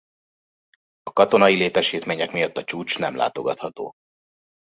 A katonai létesítmények miatt a csúcs nem látogatható.